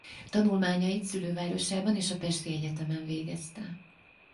Tanulmányait szülővárosában és a pesti egyetemen végezte.